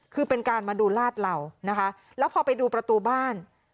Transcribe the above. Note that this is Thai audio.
คือเป็นการมาดูลาดเหล่านะคะแล้วพอไปดูประตูบ้าน